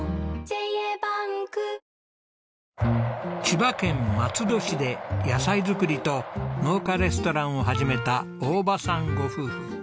千葉県松戸市で野菜作りと農家レストランを始めた大場さんご夫婦。